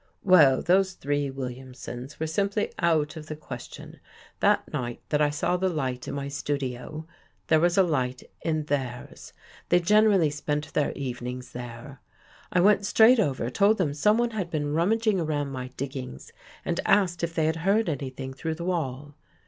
" Well, those three Williamsons were simply out of the question. That night that I saw the light in my studio, there was a light in theirs — they gener ally spent their evenings there. I went straight over, told them someone had been rummaging around my diggings and asked if they had heard any thing through the wall.